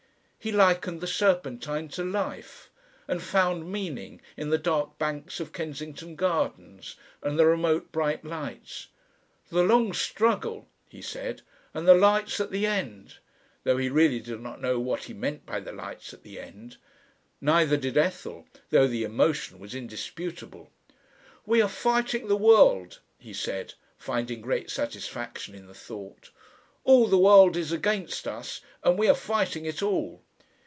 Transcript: He likened the Serpentine to Life, and found Meaning in the dark banks of Kensington Gardens and the remote bright lights. "The long struggle," he said, "and the lights at the end," though he really did not know what he meant by the lights at the end. Neither did Ethel, though the emotion was indisputable. "We are Fighting the World," he said, finding great satisfaction in the thought. "All the world is against us and we are fighting it all."